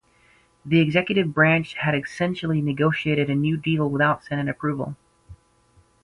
The executive branch had essentially negotiated a new deal without Senate approval.